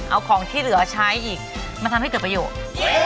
เอาของที่เหลือใช้อีกมาทำให้เกิดประโยชน์